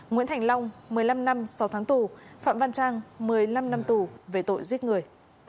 nguyễn thành long một mươi năm năm sáu tháng tù phạm văn trang một mươi năm năm tù về tội giết người